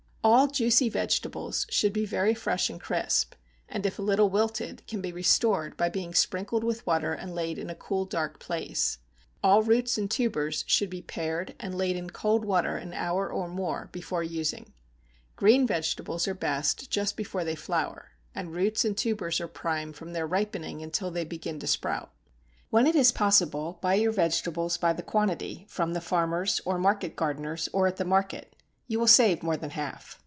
All juicy vegetables should be very fresh and crisp; and if a little wilted, can be restored by being sprinkled with water and laid in a cool, dark place; all roots and tubers should be pared and laid in cold water an hour or more before using. Green vegetables are best just before they flower; and roots and tubers are prime from their ripening until they begin to sprout. When it is possible buy your vegetables by the quantity, from the farmers, or market gardeners, or at the market; you will save more than half.